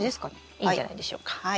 いいんじゃないでしょうか。